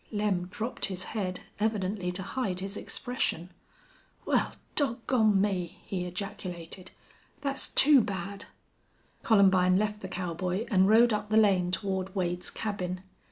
Lem dropped his head, evidently to hide his expression. "Wal, dog gone me!" he ejaculated. "Thet's too bad." Columbine left the cowboy and rode up the lane toward Wade's cabin.